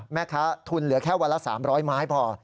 แม่ค้าทุนเหลือแค่วันละ๓๐๐ไม้พอ